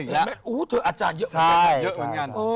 เห็นมั้ยอู้เธออาจารย์เยอะเหมือนกัน